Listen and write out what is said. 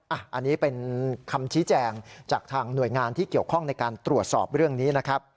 อันนี้เป็นคำชี้แจงจากทางหน่วยงานในการตรวจสอบในเรื่องนี้